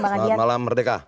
selamat malam merdeka